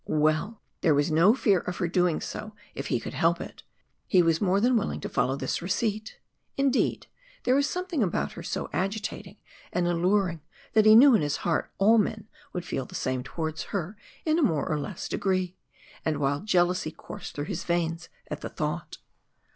Well, there was no fear of her doing so if he could help it! He was more than willing to follow this receipt. Indeed, there was something about her so agitating and alluring that he knew in his heart all men would feel the same towards her in a more or less degree, and wild jealousy coursed through his veins at the thought.